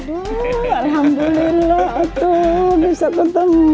aduh alhamdulillah atuh bisa ketemu